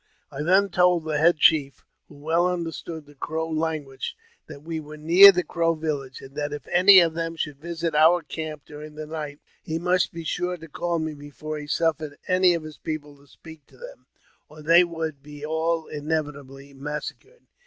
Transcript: I then told the head chief, who well understood the Crow language, that we were near the Crow village, and that if any of them should visit our camp during the night, he must be sure to call me before he suffered any of his people to speak to them, or they would be all inevitably massacred.